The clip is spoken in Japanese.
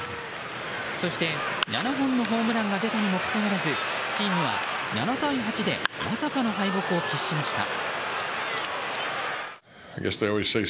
そして、７本のホームランが出たにもかかわらずチームは７対８でまさかの敗北を喫しました。